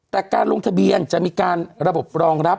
แต่การลงทะเบียนจะมีการระบบรองรับ